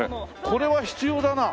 これこれは必要だな。